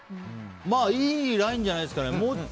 いいラインじゃないですかね。